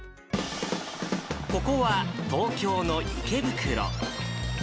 ここは東京の池袋。